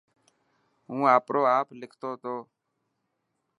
هون آپرو آپ لکتو ٿو.